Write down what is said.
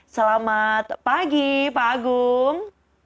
selamat pagi pak agung